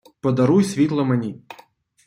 Подаруй світло мені...